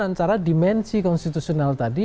antara dimensi konstitusional tadi